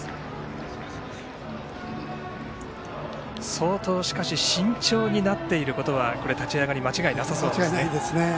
相当慎重になっていることは立ち上がり間違いなさそうですね。